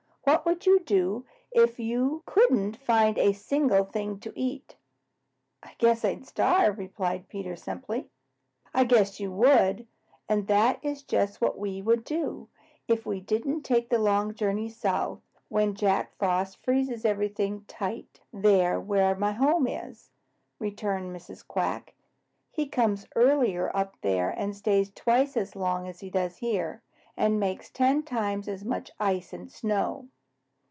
What would you do if you couldn't find a single thing to eat?" "I guess I'd starve," replied Peter simply. "I guess you would, and that is just what we would do, if we didn't take the long journey south when Jack Frost freezes everything tight up there where my home is," returned Mrs. Quack. "He comes earlier up there and stays twice as long as he does here, and makes ten times as much ice and snow.